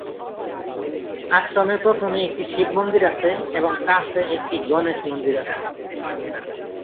আশ্রমে প্রথমে একটি শিব মন্দির আছে এবং কাছে একটি গণেশ মন্দির আছে।